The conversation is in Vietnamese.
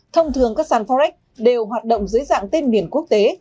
thông thường các sàn forex đều hoạt động dưới dạng tên miền quốc tế